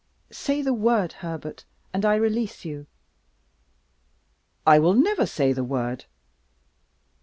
Say the word, Herbert, and I release you." "I will never say the word!"